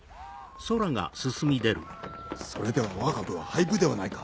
それではわが部は廃部ではないか。